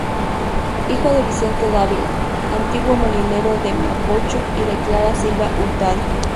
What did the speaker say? Hijo de Vicente Dávila, antiguo molinero de Mapocho, y de Clara Silva Hurtado.